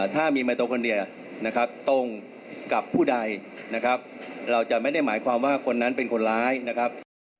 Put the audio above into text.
ถ้ามีไมโตคนเดียวนะครับตรงกับผู้ใดนะครับเราจะไม่ได้หมายความว่าคนนั้นเป็นคนร้ายนะครับ